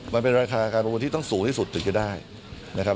มันเป็นราคาการประมูลที่ต้องสูงที่สุดถึงจะได้นะครับ